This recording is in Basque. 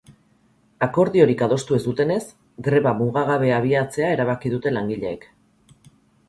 Akordiorik adostu ez dutenez, greba mugagabea abiatzea erabaki dute langileek.